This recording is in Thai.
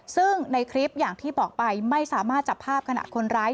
ซึ่งในคลิปอย่างที่บอกไปไม่สามารถจับภาพขณะคนร้าย